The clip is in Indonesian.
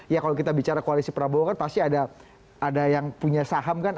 ya kalau kita bicara koalisi prabowo kan pasti ada yang punya saham kan